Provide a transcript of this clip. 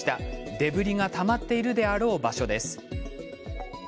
デブリがたまっているであろう場所です。